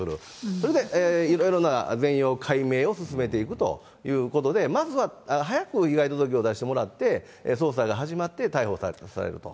それでいろいろな全容解明を進めていくということで、まずは、早く被害届を出してもらって、捜査が始まって逮捕されると。